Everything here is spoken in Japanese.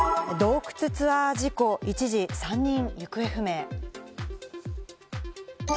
洞窟ツアー事故、一時３人行方不明。